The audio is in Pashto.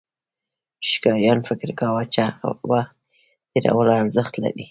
ښکاریانو فکر کاوه، چې وخت تېرول ارزښت لري.